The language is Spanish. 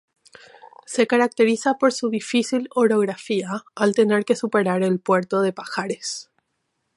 Se caracteriza por su difícil orografía al tener que superar el puerto de Pajares.